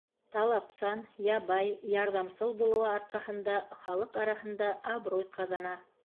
Талапсан, ябай, ярҙамсыл булыуы арҡаһында халыҡ араһында абруй ҡаҙана.